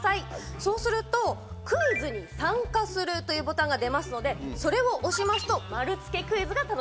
そうすると「クイズに参加する」というボタンが出ますのでそれを押しますと丸つけクイズが楽しめちゃいます。